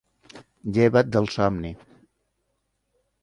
Llevat del somni.